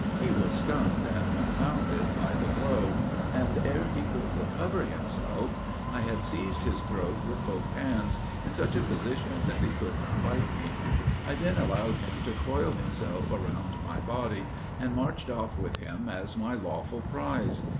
He was stunned and confounded by the blow, and, ere he could recover himself, I had seized his throat with both hands, in such a position that he could not bite me. I then allowed him to coil himself around my body and marched off with him as my lawful prize.